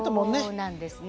そうなんですね。